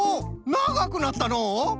ながくなったのう。